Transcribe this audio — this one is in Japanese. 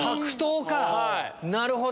なるほど。